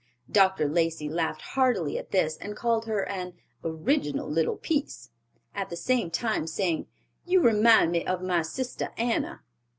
Dr. Lacey laughed heartily at this and called her an "original little piece," at the same time saying, "You remind me of my sister Anna."